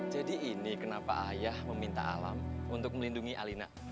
jadi ini kenapa ayah meminta alam untuk melindungi alina